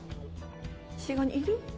ヒシガニいる？